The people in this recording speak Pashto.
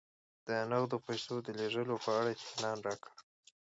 د نغدو پیسو د لېږلو په اړه اطمینان راکړه